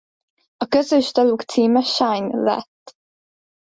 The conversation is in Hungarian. A közös daluk címe Shine lett.